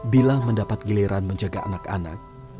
bila mendapat giliran menjaga anak anak